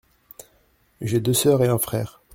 J’ai deux sœurs et un frère.